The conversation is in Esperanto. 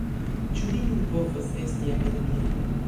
Ĉu mi nun povas esti Akademiano?